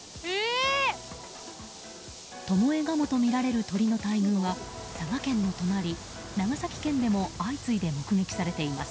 トモエガモとみられる鳥の大群は佐賀県の隣長崎県でも相次いで目撃されています。